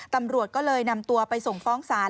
ตำรวจก็เลยนำตัวไปส่งฟ้องศาล